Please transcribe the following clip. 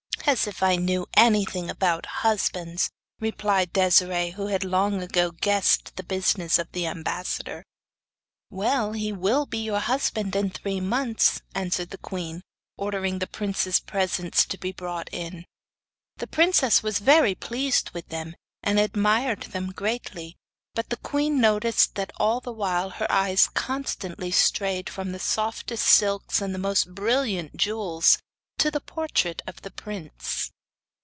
'As if I knew anything about husbands!' replied Desiree, who had long ago guessed the business of the ambassador. 'Well, he will be your husband in three months,' answered the queen, ordering the prince's presents to be brought in. The princess was very pleased with them, and admired them greatly, but the queen noticed that all the while her eyes constantly strayed from the softest silks and most brilliant jewels to the portrait of the prince.